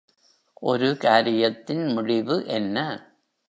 ஒரு காரியத்தின் முடிவு என்ன?